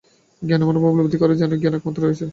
জ্ঞান এমনভাবে উপলব্ধি কর যে, যেন জ্ঞানই একমাত্র রয়েছে।